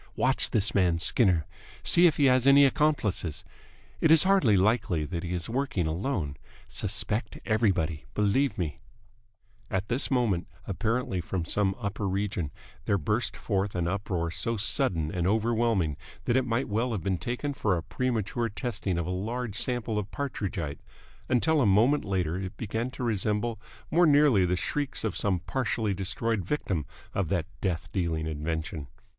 Watch this man Skinner. See if he has any accomplices. It is hardly likely that he is working alone. Suspect everybody. Believe me ..." At this moment, apparently from some upper region, there burst forth an uproar so sudden and overwhelming that it might well have been taken for a premature testing of a large sample of Partridgite; until a moment later it began to resemble more nearly the shrieks of some partially destroyed victim of that death dealing invention.